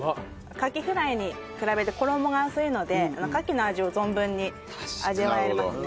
カキフライに比べて衣が薄いのでカキの味を存分に味わえますね。